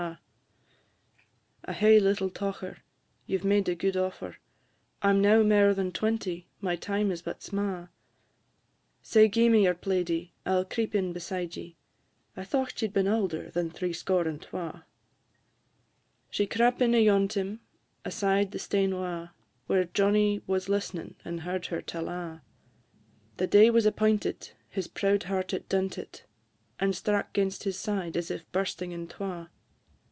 I hae little tocher; you 've made a gude offer; I 'm now mair than twenty my time is but sma'; Sae gi'e me your plaidie, I 'll creep in beside ye I thocht ye 'd been aulder than threescore and twa." She crap in ayont him, aside the stane wa', Whare Johnnie was list'ning, and heard her tell a'; The day was appointed, his proud heart it dunted, And strack 'gainst his side as if bursting in twa.